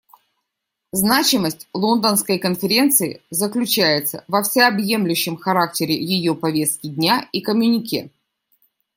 Значимость Лондонской конференции заключается во всеобъемлющем характере ее повестки дня и коммюнике.